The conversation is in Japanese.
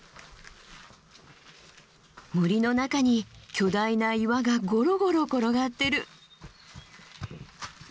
森の中に巨大な岩がゴロゴロ転がってる。